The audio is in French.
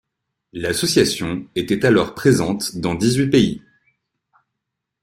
L'association était alors présente dans dix-huit pays.